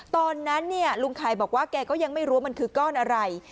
ตอนนั้นเนี่ยลุงไข่บอกว่าแกก็ยังไม่รู้ว่ามันคือก้อนอะไร